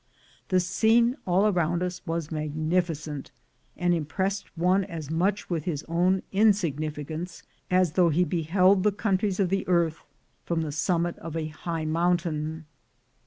' The scene all round us was magnificent, and impressed one as much with his own insignificance as though he beheld the countries of the earth from the summit of a high mountain.